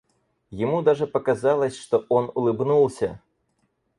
Ему даже показалось, что он улыбнулся.